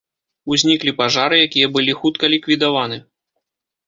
Узніклі пажары, якія былі хутка ліквідаваны.